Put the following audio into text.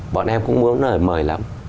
bọn em cũng muốn mời lắm